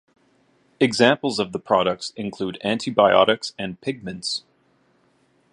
Examples of the products include antibiotics and pigments.